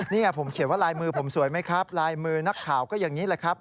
นี่ผมเขียนว่าลายมือผมสวยไหมครับลายมือนักข่าวก็อย่างนี้แหละครับ